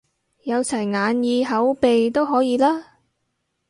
有齊眼耳口鼻都可以啦？